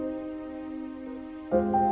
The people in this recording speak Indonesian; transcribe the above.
kami buat content